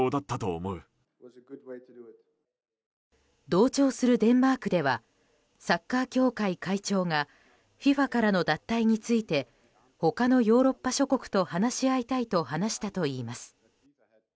同調するデンマークではサッカー協会会長がＦＩＦＡからの脱退について他のヨーロッパ諸国と話し合いたいと話したといいます。